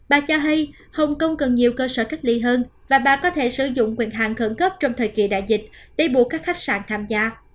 bà cho hay hồng kông cần nhiều cơ sở cách ly hơn và bà có thể sử dụng quyền hàng khẩn cấp trong thời kỳ đại dịch để buộc các khách sạn tham gia